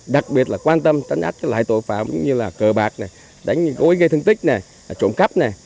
đặc biệt là quan tâm tấn ách lại tội phạm như cờ bạc đánh gối gây thân tích trộm cắp